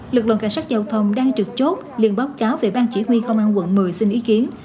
lực lượng cảnh sát giao thông đang trực chốt liên báo cáo về bang chỉ huy công an quận một mươi xin ý kiến